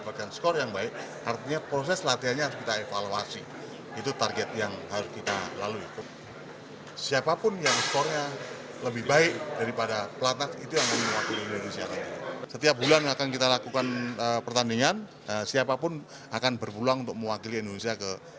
perbakin konsisten mewujudkan target untuk menggelar turnamen nasional setiap bulannya